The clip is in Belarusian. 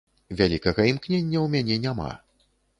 Вялікага імкнення ў мяне няма.